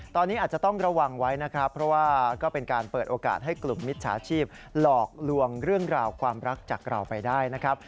ตอนนี้อาจจะต้องระวังไว้นะครับเพราะว่าก็เป็นการเปิดโอกาสให้กลุ่มมิจฉาชีพหลอกลวงเรื่องราวความรักจากเราไปได้นะครับ